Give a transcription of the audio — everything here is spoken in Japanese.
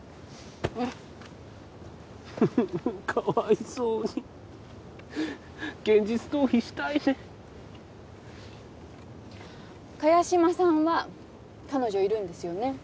うんっううかわいそうに現実逃避したいね萱島さんは彼女いるんですよね